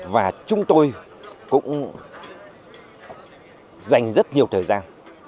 và chúng tôi cũng dành rất nhiều thời gian